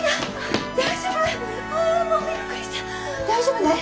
大丈夫？